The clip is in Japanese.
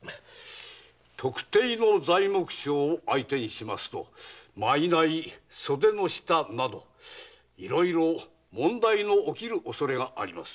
特定の材木商を相手にしますと賂・袖の下などいろいろ問題の起きるおそれがあります。